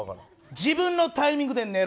自分のタイミングで寝ろ。